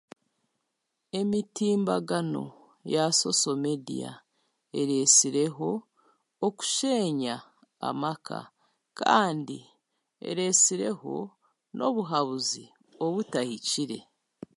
Emitimbagano ya soso mediya ereesireho okusheenya amaka kandi ereesireho n'obuhabuzi obutahikire